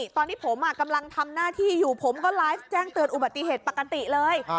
ตอนที่ผมกำลังทำหน้าที่อยู่ผมก็ไลฟ์แจ้งเตือนอุบัติเหตุปกติเลย